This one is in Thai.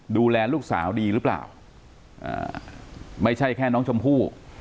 ดูแลลูกสาวดีหรือเปล่าไม่ใช่แค่น้องชมพู่